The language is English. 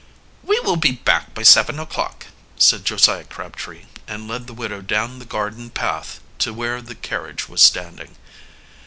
"We will be back by seven o'clock," said Josiah Crabtree, and led the widow down the garden path to where the carriage was standing.